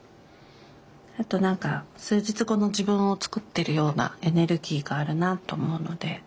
あと何か数日後の自分を作ってるようなエネルギーがあるなと思うので。